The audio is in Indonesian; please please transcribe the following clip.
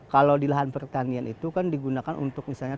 kalau di lahan pertanian itu kan digunakan untuk misalnya